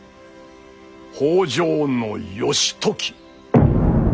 北条義時。